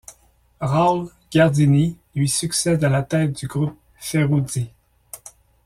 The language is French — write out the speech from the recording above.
Raul Gardini lui succède à la tête du groupe Ferruzzi.